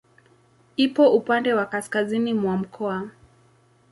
Ipo upande wa kaskazini mwa mkoa.